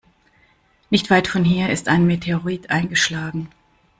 Nicht weit von hier ist ein Meteorit eingeschlagen.